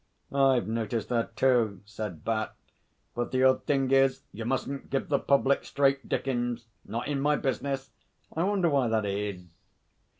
'I've noticed that too,' said Bat. 'But the odd thing is you mustn't give the public straight Dickens not in My business. I wonder why that is.'